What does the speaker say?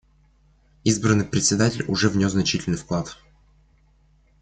Избранный Председатель уже внес значительный вклад.